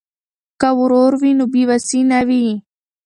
که ورور وي نو بې وسي نه وي.